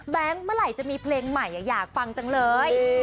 เมื่อไหร่จะมีเพลงใหม่อยากฟังจังเลย